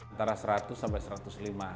antara seratus sampai satu ratus lima